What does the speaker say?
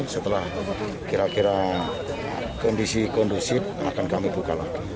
setelah kira kira kondisi kondusif akan kami buka lagi